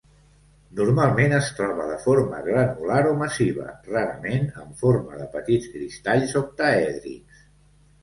Normalment es troba de forma granular o massiva, rarament en forma de petits cristalls octaèdrics.